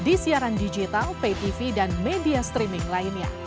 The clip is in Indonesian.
di siaran digital pay tv dan media streaming lainnya